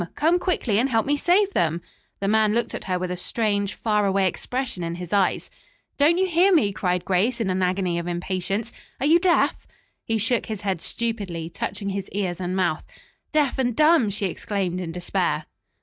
Come quickly, and help me save them." The man looked at her with a strange, far away expression in his eyes. "Don't you hear me?" cried Grace in an agony of impatience. "Are you deaf?" He shook his head stupidly, touching his ears and mouth. "Deaf and dumb!" she exclaimed in despair.